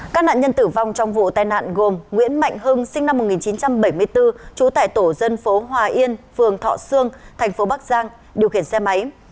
các nạn nhân tử vong trong vụ tai nạn gồm nguyễn mạnh hưng sinh năm một nghìn chín trăm bảy mươi bốn trú tại tổ dân phố hòa yên phường thọ sương thành phố bắc giang điều khiển xe máy